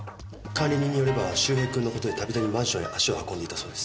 管理人によれば周平君の事でたびたびマンションへ足を運んでいたそうです。